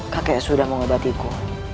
kakek sudah mengobatiku